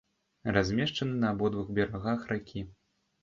Размешчаны на абодвух берагах ракі.